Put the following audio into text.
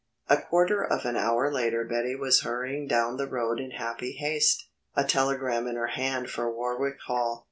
A quarter of an hour later Betty was hurrying down the road in happy haste, a telegram in her hand for Warwick Hall.